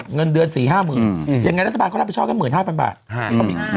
เงินเดือนสี่ห้าหมื่นอย่างนั้นรัฐบาลก็รับผิดชอบกันหมื่นห้าพันบาทอืม